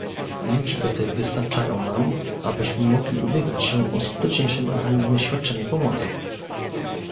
Liczby te wystarczają nam, abyśmy mogli ubiegać się o skuteczniejsze mechanizmy świadczenia pomocy